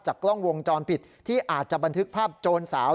กล้องวงจรปิดที่อาจจะบันทึกภาพโจรสาว